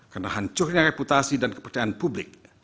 karena hancurnya reputasi dan kepercayaan publik